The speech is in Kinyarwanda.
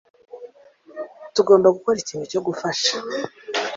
Tugomba gukora ikintu cyo gufasha